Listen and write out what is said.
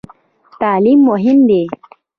تعلیم مهم دی؟